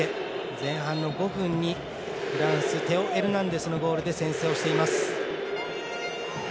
前半の５分にフランステオ・エルナンデスのゴールで先制をしています。